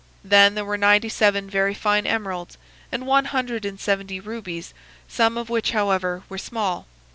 Then there were ninety seven very fine emeralds, and one hundred and seventy rubies, some of which, however, were small.